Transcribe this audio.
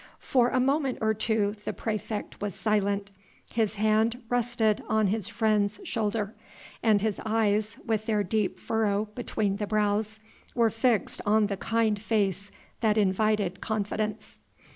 For a moment or two the praefect was silent. His hand rested on his friend's shoulder, and his eyes, with their deep furrow between the brows, were fixed on the kind face that invited confidence.